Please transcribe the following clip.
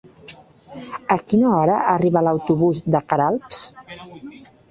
A quina hora arriba l'autobús de Queralbs?